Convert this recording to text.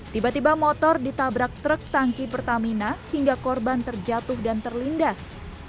tiba tiba motor ditabrak truk tangki pertamina hingga korban terjatuh dan terlindas